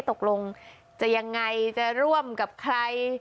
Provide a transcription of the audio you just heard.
ตกลงจะยังไงจะร่วมกับใคร